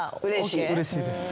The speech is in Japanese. うれしいです。